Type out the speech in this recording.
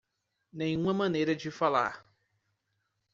Nenhuma maneira de falar